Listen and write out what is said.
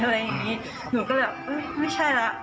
หนูก็เลยแบบเอ้ยไม่ใช่ละ